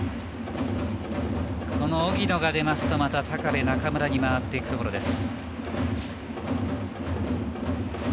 この荻野が出ますと、また高部、中村に回っていくところです。